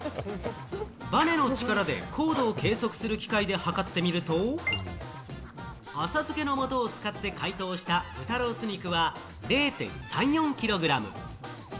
バネの力で硬度を計測する機械で測ってみると、浅漬けの素を使って解凍した豚ロース肉は０．３４キログラム。